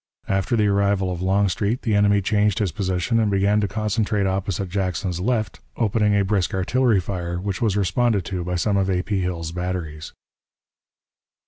After the arrival of Longstreet the enemy changed his position and began to concentrate opposite Jackson's left, opening a brisk artillery fire, which was responded to by some of A. P. Hill's batteries.